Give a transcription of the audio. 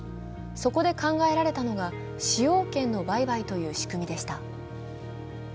そこで考えられたのが使用権の売買という仕組みでした。